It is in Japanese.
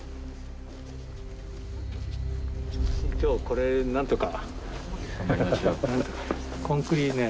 今日これなんとか。